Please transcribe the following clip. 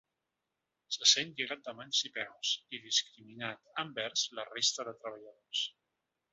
Se sent lligat de mans i peus i discriminat envers la resta de treballadors.